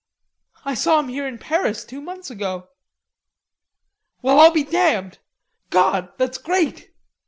"I saw him here in Paris two months ago." "Well, I'll be damned.... God, that's great!"